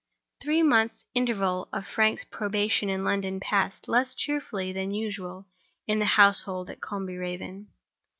The three months' interval of Frank's probation in London passed less cheerfully than usual in the household at Combe Raven.